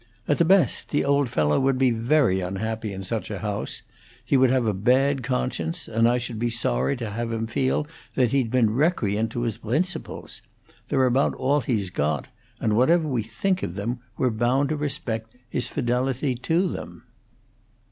At the best, the old fellow would be very unhappy in such a house; he would have a bad conscience; and I should be sorry to have him feel that he'd been recreant to his 'brincibles'; they're about all he's got, and whatever we think of them, we're bound to respect his fidelity to them."